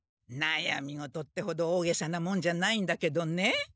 なやみごとってほどおおげさなもんじゃないんだけどね。